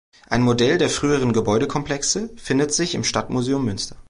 Ein Modell der früheren Gebäudekomplexe findet sich im Stadtmuseum Münster.